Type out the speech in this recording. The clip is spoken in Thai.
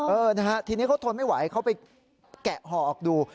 เออนะฮะทีนี้เขาทนไม่ไหวเขาไปแกะห่อออกดู